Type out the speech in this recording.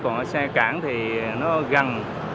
còn ở xe cản thì nó gần